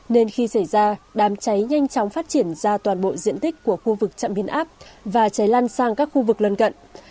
nên khi xảy ra đám cháy nhanh chóng phát triển ra toàn bộ diện tích của khu vực trạm biến áp và cháy lan sang các khu vực lân cận